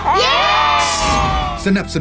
ครอบครัวที่มีพ่อแม่คือครูมีลูกคือนักเรียน